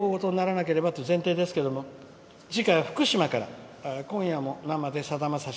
これ以上おおごとにならなければという前提ですけれども次回は福島から「今夜も生でさだまさし